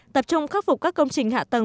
tập trung khắc phục các công trình hạ tầng